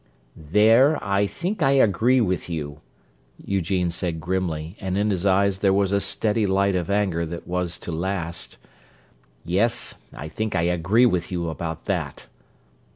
"There, I think I agree with you," Eugene said grimly, and in his eyes there was a steady light of anger that was to last. "Yes, I think I agree with you about that!"